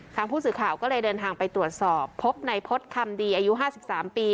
ทางผู้สื่อข่าวก็เลยเดินทางไปตรวจสอบพบในพฤษคำดีอายุ๕๓ปี